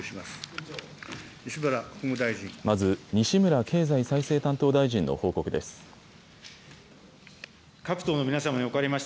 まず、西村経済再生担当大臣の報告です。